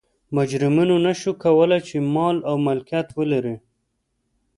مجرمینو نه شوای کولای چې مال او ملکیت ولري.